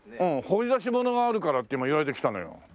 掘り出し物があるからって今言われて来たのよ。